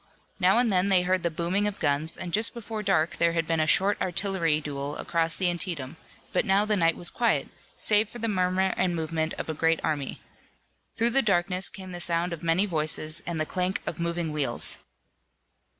Now and then they heard the booming of guns, and just before dark there had been a short artillery duel across the Antietam, but now the night was quiet, save for the murmur and movement of a great army. Through the darkness came the sound of many voices and the clank of moving wheels.